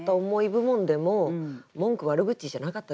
部門でも文句悪口じゃなかったですね。